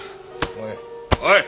おい。